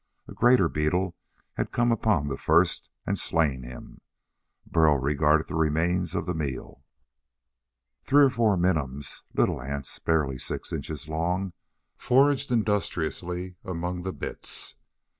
A greater beetle had come upon the first and slain him. Burl regarded the remains of the meal. Three or four minims, little ants barely six inches long, foraged industriously among the bits.